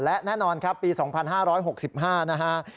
และแน่นอนครับปี๒๕๖๕นะฮะ